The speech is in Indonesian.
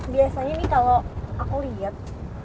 biasanya nih kalau aku lihat